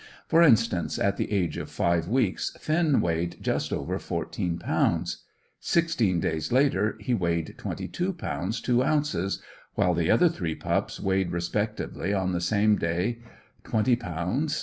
For instance, at the age of five weeks Finn weighed just over fourteen pounds. Sixteen days later he weighed 22 lbs. 2 ozs., while the other three pups weighed respectively on the same day 20 lbs.